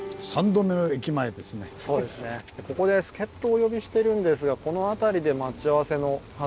助っ人をお呼びしてるんですがこの辺りで待ち合わせのはず。